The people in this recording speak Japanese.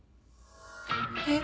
えっ？